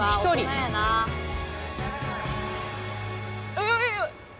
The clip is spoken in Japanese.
「えっ！」